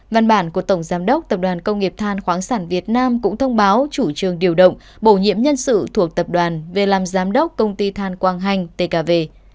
văn bản của tổng giám đốc tập đoàn công nghiệp than khoáng sản việt nam cũng thông báo chủ trương điều động bổ nhiệm nhân sự thuộc tập đoàn về làm giám đốc công ty than quang hành tkv